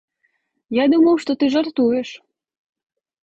Я думаў, што ты жартуеш.